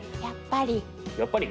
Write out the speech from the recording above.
やっぱり！